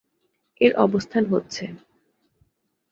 এর অবস্থান হচ্ছেঃ।